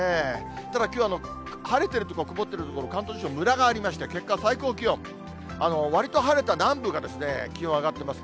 ただきょうは、晴れている所、曇ってる所、関東地方、むらがありまして、結果、最高気温、わりと晴れた南部が気温上がってます。